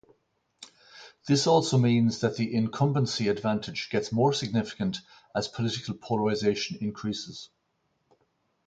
This also means that the incumbency advantage gets more significant as political polarization increases.